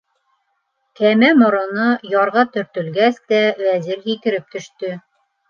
Кәмә мороно ярға төртөлгәс тә, Вәзир һикереп төштө.